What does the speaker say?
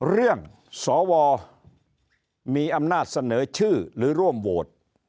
สวมีอำนาจเสนอชื่อหรือร่วมโหวต